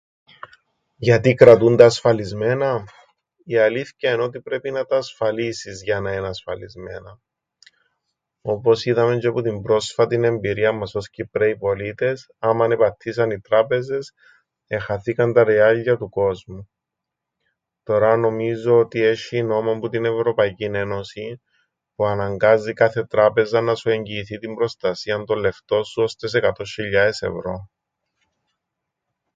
Γιατί κρατούν τα ασφαλισμένα; Η αλήθκεια εν' ότι πρέπει να τα ασφαλίσεις για να εν' ασφαλισμένα όπως είδαμε τζ̆αι που την πρόσφατην εμπειρία ως Κυπραίοι πολίτες, άμαν επαττίσαν οι τράπεζες εχαθήκαν τα ριάλια του κόσμου. Τωρά νομίζω ότι έσ̆ει νόμον που την Ευρωπαϊκήν Ένωσην που αναγκάζει κάθε τράπεζαν να σου εγγυηθεί την προστασία των λεφτών σου ώς τες εκατόν σ̆ιλιάες ευρώ.